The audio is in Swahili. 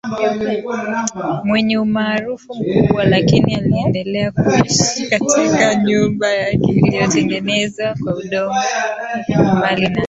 mwenye umaarufu mkubwa lakini aliendelea kuishi katika nyumba yake iliyotengenezwa kwa udongo Mbali na